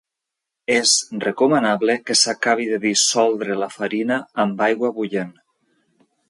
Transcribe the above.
És recomanable que s'acabi de dissoldre la farina amb aigua bullent.